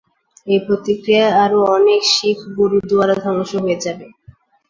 এই প্রক্রিয়ায় আরও অনেক শিখ গুরুদুয়ারা ধ্বংস হয়ে যায়।